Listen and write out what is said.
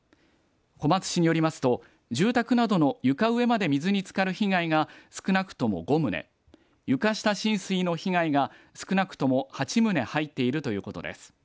小松市によりますと住宅などの床上まで水につかる被害が少なくとも５棟、床下浸水の被害が少なくとも８棟入っているということです。